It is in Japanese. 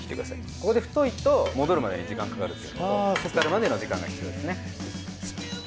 ここで太いと戻るまでに時間かかるっていうのと漬かるまでの時間が必要ですね。